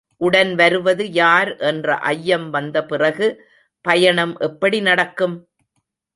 உடன் வருவது யார் என்ற ஐயம் வந்தபிறகு, பயணம் எப்படி நடக்கும்?